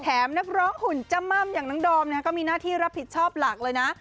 นักร้องหุ่นจ้ำม่ำอย่างน้องดอมก็มีหน้าที่รับผิดชอบหลักเลยนะ